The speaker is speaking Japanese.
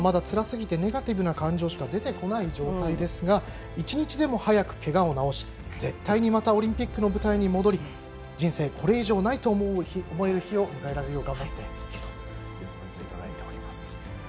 今はまだつらすぎてネガティブな感情しか出てこない状態ですが一日でも早くけがを治し、絶対にまたオリンピックの舞台に戻り人生これ以上ないと思える日を迎えられるよう頑張っていくとのコメントをいただいています。